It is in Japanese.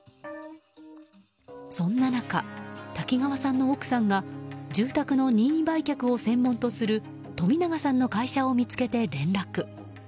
そんな中、滝川さんの奥さんが住宅の任意売却を専門とする冨永さんの会社を見つけて連絡。